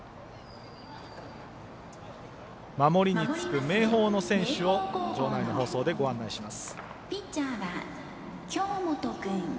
守りにつく明豊の選手を場内の放送でご案内します。